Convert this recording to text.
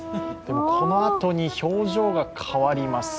このあとに表情が変わります